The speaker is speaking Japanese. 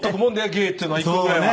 芸っていうのは１個ぐらいは。